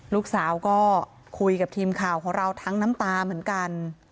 ลูกสาวก็คุยกับทีมข่าวของเราทั้งน้ำตาเหมือนกัน